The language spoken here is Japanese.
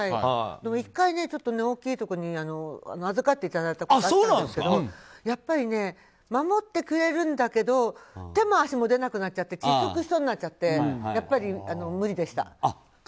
でも１回、大きいところに預かっていただいたことがあったんですけどやっぱり守ってくれるんだけど手も足も出なくなっちゃって窒息しそうになっちゃってやっぱり無理でした。